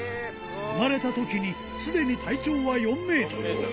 生まれたときにすでに体長は４メートル。